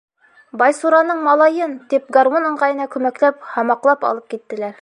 Байсураның малайын! — тип гармун ыңғайына күмәкләп, һамаҡлап алып киттеләр.